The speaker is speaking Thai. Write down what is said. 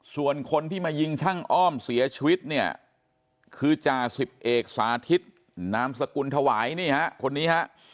ส่วนคนที่มายิงช่างอ้อมเสียชีวิตเนี่ยคือจ่าสิบเอกสาธิตนามสกุลถวายนี่ฮะคนนี้ฮะ